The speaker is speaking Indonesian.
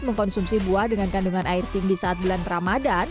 mengkonsumsi buah dengan kandungan air tinggi saat bulan ramadan